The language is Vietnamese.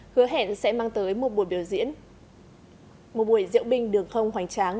hứa hẹn sẽ mang tới một buổi biểu diễn một buổi diễu binh đường không hoành tráng